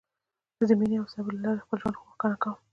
زه د مینې او صبر له لارې خپل ژوند روښانه کوم.